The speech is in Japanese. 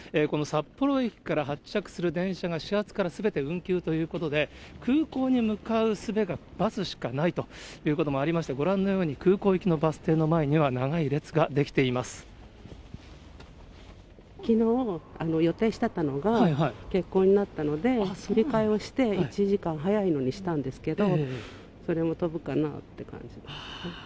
この札幌駅から発着する電車が始発からすべて運休ということで、空港に向かうすべがバスしかないということもありまして、ご覧のように、空港行きのバス停の前には、きのう、予定してたのが、欠航になったので、振り替えをして、１時間早いのにしたんですけど、それも飛ぶかなって感じですね。